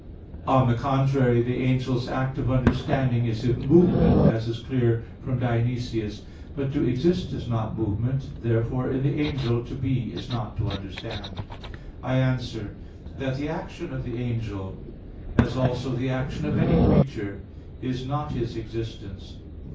On the contrary, The angel's act of understanding is his movement, as is clear from Dionysius (Div. Nom. iv). But to exist is not movement. Therefore in the angel to be is not to understand. I answer that, The action of the angel, as also the action of any creature, is not his existence.